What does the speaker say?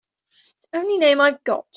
It's the only name I've got.